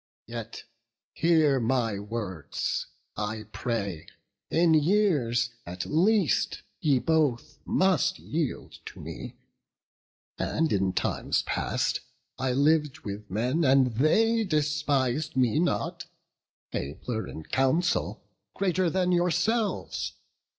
Yet, hear my words, I pray; in years, at least, Ye both must yield to me; and in times past I liv'd with men, and they despis'd me not, Abler in counsel, greater than yourselves.